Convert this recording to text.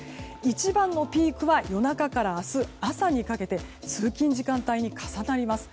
一番のピークは夜中から明日朝にかけて通勤時間帯に重なります。